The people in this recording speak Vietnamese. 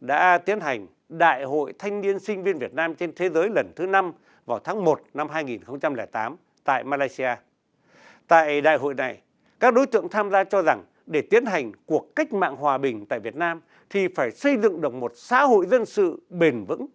đại hội này các đối tượng tham gia cho rằng để tiến hành cuộc cách mạng hòa bình tại việt nam thì phải xây dựng được một xã hội dân sự bền vững